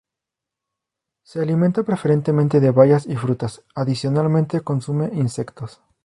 Se alimenta preferentemente de bayas y frutas; adicionalmente consume insectos.